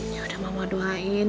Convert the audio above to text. ya udah mama doain